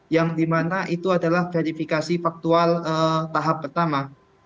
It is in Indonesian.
yang dimana itu adalah verifikasi faktual tahap pertama